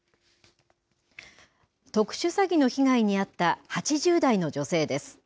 特殊詐欺の被害に遭った８０代の女性です。